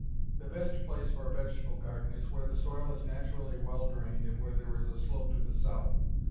The best place for a vegetable garden is where the soil is naturally well drained and where there is a slope to the south.